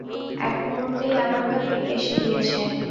এক মুহূর্তেই আবার তা এসে গিয়েছে।